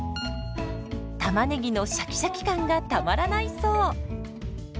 たまねぎのシャキシャキ感がたまらないそう。